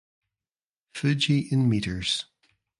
Fuji in meters.